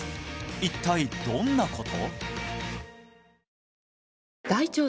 一体どんなこと？